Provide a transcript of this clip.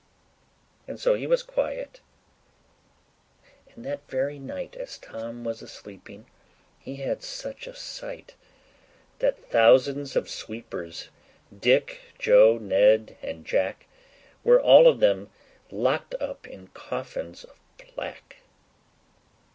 And so he was quiet, and that very night, As Tom was a sleeping, he had such a sight!— That thousands of sweepers, Dick, Joe, Ned, and Jack, Were all of them locked up in coffins of black.